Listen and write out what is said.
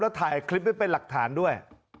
แล้วถ่ายคลิปไว้เป็นหลักฐานด้วย